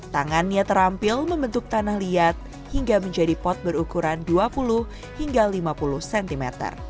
tangannya terampil membentuk tanah liat hingga menjadi pot berukuran dua puluh hingga lima puluh cm